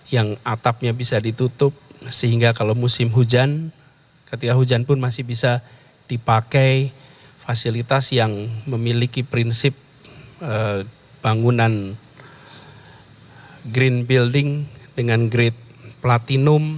yang atapnya bisa ditutup sehingga kalau musim hujan ketika hujan pun masih bisa dipakai fasilitas yang memiliki prinsip bangunan green building dengan grade platinum